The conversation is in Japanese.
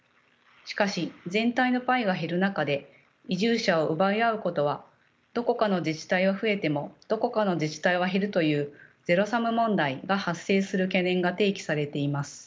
しかし全体のパイが減る中で移住者を奪い合うことはどこかの自治体は増えてもどこかの自治体は減るというゼロサム問題が発生する懸念が提起されています。